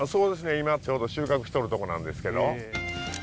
今ちょうど収穫しとるとこなんですけど。